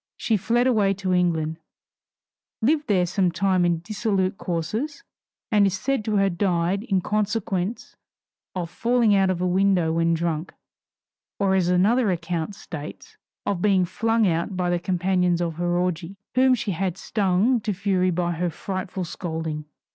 She fled away to England, lived there some time in dissolute courses, and is said to have died in consequence of falling out of a window when drunk, or as another account states, of being flung out by the companions of her orgy, whom she had stung to fury by her frightful scolding.